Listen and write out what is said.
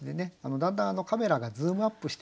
だんだんカメラがズームアップしていく感じですね。